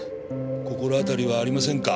心当たりはありませんか？